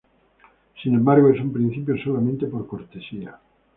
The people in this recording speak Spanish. Sin embargo, es un principio solamente por cortesía.